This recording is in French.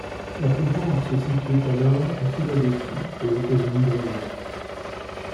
La plus grande se situait alors à Philadelphie, aux Etats-Unis d’Amérique.